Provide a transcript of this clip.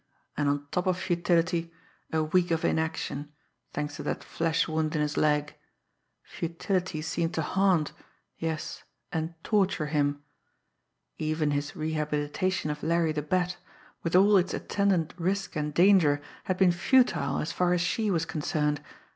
And on top of futility, a week of inaction, thanks to that flesh wound in his leg. Futility seemed to haunt, yes, and torture him! Even his rehabilitation of Larry the Bat, with all its attendant risk and danger, had been futile as far as she was concerned.